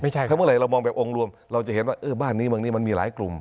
ถ้าเมื่อไหร่เรามองแบบองค์รวมเราจะเห็นว่าเออบ้านนี้เมืองนี้มันมีหลายกลุ่ม